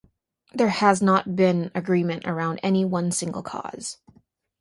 There has not been agreement around any one single cause.